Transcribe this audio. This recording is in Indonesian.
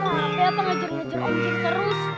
udah remuk badannya